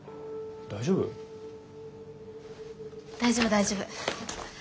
大丈夫大丈夫。